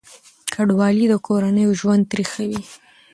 کډوالي د کورنیو ژوند تریخوي.